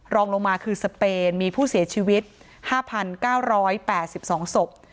รองลงมาคือสเปนมีผู้เสียชีวิตห้าพันเก้าร้อยแปดสิบสองศพ